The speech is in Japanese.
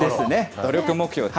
努力目標。